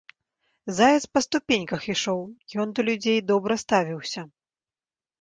Заяц па ступеньках ішоў, ён да людзей добра ставіўся.